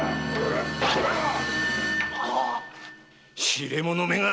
痴れ者めが！